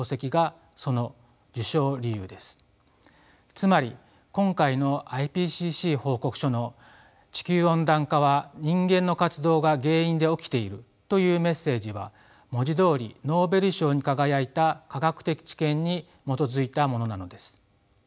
つまり今回のＩＰＣＣ報告書の「地球温暖化は人間の活動が原因で起きている」というメッセージは文字どおりノーベル賞に輝いた科学的知見に基づいたものなのです。